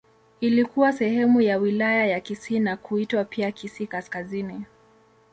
Ilikuwa sehemu ya Wilaya ya Kisii na kuitwa pia Kisii Kaskazini.